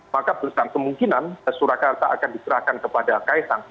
maka berusaha kemungkinan surakarta akan diserahkan ke pdip